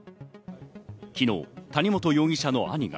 昨日、谷本容疑者の兄が